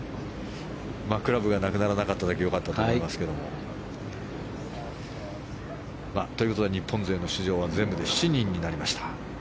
クラブがなくならなかっただけ良かったと思いますけれども。ということで日本勢の出場は全部で７人になりました。